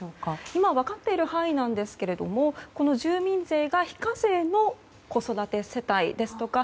今分かっている時点ですが住民税が非課税の子育て世帯ですとか